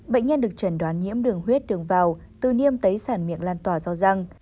bệnh nhân được trần đoán nhiễm đường huyết đường vào từ niêm tới sản miệng lan tỏa do răng